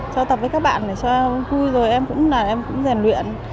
cho tập với các bạn để cho em vui rồi em cũng làm em cũng rèn luyện